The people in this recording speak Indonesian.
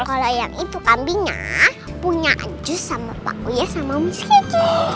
kalau yang itu kambingnya punya anjus sama pak uya sama miss kiki